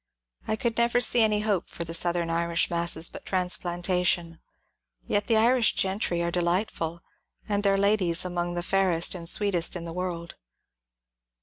I could never see any hope for the southern Irish masses but transplantation ; yet the Irish gentry are delightful, and their ladies among the fairest and sweetest in the world.